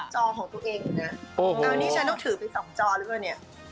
จอของตัวเองนะ